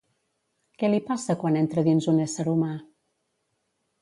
Què li passa quan entra dins un ésser humà?